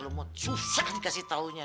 lo mau susah dikasih taunya